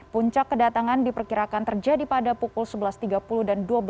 puncak kedatangan diperkirakan terjadi pada pukul sebelas tiga puluh dan dua belas